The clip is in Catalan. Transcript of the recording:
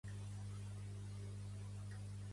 Baroja situà Ramon Recasens Miret en els fets.